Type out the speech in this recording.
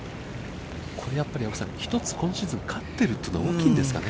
やっぱり青木さん、１つ、今シーズン勝ってるというのは大きいんですかね。